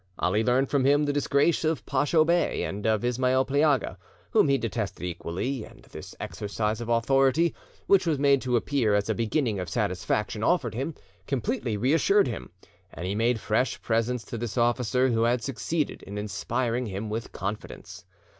Ali learned from him the disgrace of Pacho Bey, and of Ismail Pliaga, whom he detested equally, and this exercise of authority, which was made to appear as a beginning of satisfaction offered him, completely reassured him, and he made fresh presents to this officer, who had succeeded in inspiring him with confidence.